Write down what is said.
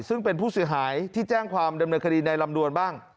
ซึ่งเป็นผู้เสียหายที่แจ้งความดำเนินคดีในลำดวนบ้าง